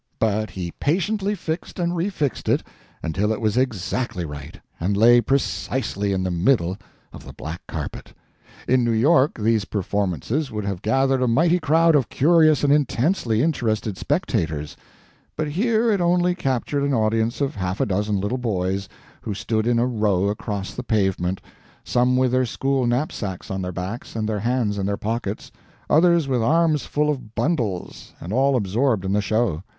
But he patiently fixed and refixed it until it was exactly right and lay precisely in the middle of the black carpet. In New York these performances would have gathered a mighty crowd of curious and intensely interested spectators; but here it only captured an audience of half a dozen little boys who stood in a row across the pavement, some with their school knapsacks on their backs and their hands in their pockets, others with arms full of bundles, and all absorbed in the show.